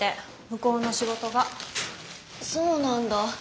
そうなんだ。